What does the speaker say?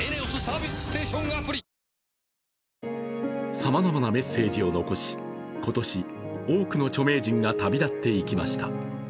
さまざまなメッセージを残し今年、多くの著名人が旅立っていきました。